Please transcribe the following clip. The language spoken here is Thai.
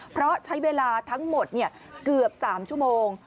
เพราะใช้เวลาทั้งหมดเกือบ๓ชั่วโมง